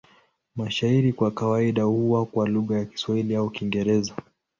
Mashairi kwa kawaida huwa kwa lugha ya Kiswahili au Kiingereza.